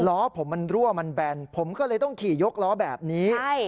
ล้อผมมันรั่วมันแบนผมก็เลยต้องขี่ยกล้อแบบนี้